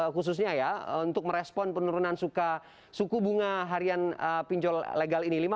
khususnya ya untuk merespon penurunan suku bunga harian pinjol legal ini